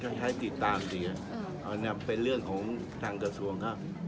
อะไรสิตามสิเรื่องกระท่ายทางส่วน